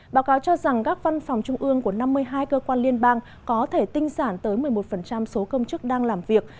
báo cáo cho rằng các văn phòng trung ương của năm mươi hai cơ quan liên bang có thể tinh giản tới một mươi một số công chức đang làm việc